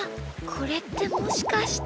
これってもしかして。